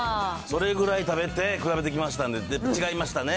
それくらい食べて比べてきましたんで、違いましたね。